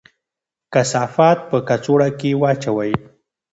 کثافات په کڅوړه کې واچوئ.